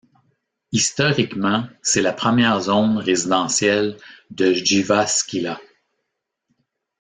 Historiquement, c'est la première zone résidentielle de Jyväskylä.